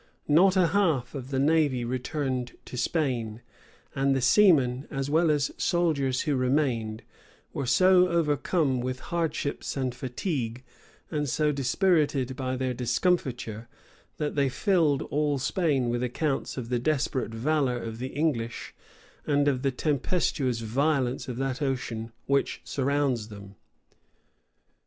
Not a half of the navy returned to Spain; and the seamen as well as soldiers who remained, were so overcome with hardships and fatigue, and so dispirited by their discomfiture, that they filled all Spain with accounts of the desperate valor of the English and of the tempestuous violence of that ocean which surrounds them.